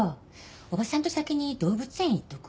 おばさんと先に動物園行っとく？